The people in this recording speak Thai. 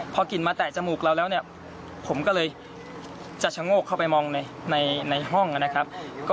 พอกลิ่นมาแตะจมูกเราแล้วเนี่ยผมก็เลยจะชะโงกเข้าไปมองในห้องนะครับ